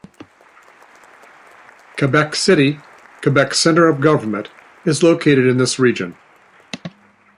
Quebec City, Quebec's centre of government, is located in this region.